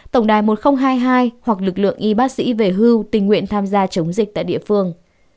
tổng đài một nghìn hai mươi hai hoặc lực lượng y bác sĩ về hưu tình nguyện tham gia chống dịch tại địa phương